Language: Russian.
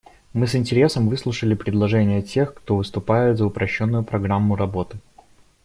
Мы с интересом выслушали предложения тех, кто выступает за упрощенную программу работы.